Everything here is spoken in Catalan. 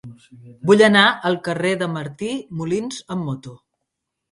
Vull anar al carrer de Martí Molins amb moto.